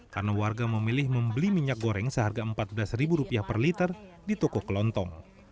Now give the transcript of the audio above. karena warga memilih membeli minyak goreng seharga rp empat belas per liter di toko kelontong